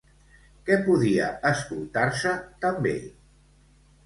Què podia escoltar-se també?